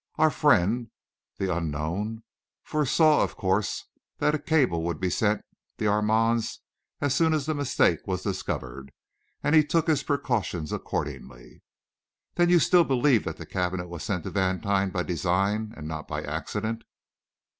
Our friend, the unknown, foresaw, of course, that a cable would be sent the Armands as soon as the mistake was discovered, and he took his precautions accordingly." "Then you still believe that the cabinet was sent to Vantine by design and not by accident?"